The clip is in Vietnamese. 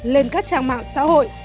lên các trang mạng xã hội